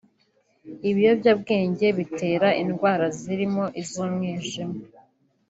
Ibiyobyabwenge bitera indwara zirimo iz’umwijima